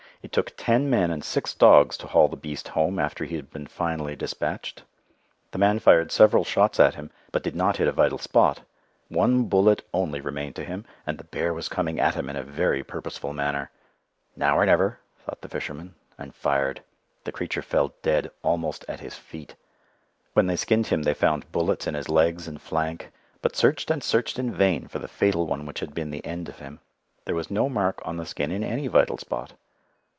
It took ten men and six dogs to haul the beast home after he had been finally dispatched. The man fired several shots at him, but did not hit a vital spot. One bullet only remained to him, and the bear was coming at him in a very purposeful manner. "Now or never," thought the fisherman, and fired. The creature fell dead almost at his feet. When they skinned him they found bullets in his legs and flank, but searched and searched in vain for the fatal one which had been the end of him. There was no mark on the skin in any vital spot.